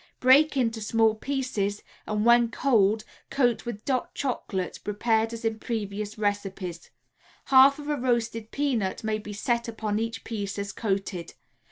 Break into small pieces and when cold coat with "Dot" Chocolate prepared as in previous recipes. Half of a roasted peanut may be set upon each piece as coated.